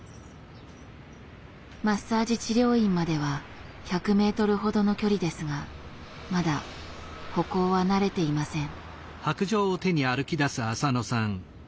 マッサージ治療院までは１００メートルほどの距離ですがまだ歩行は慣れていません。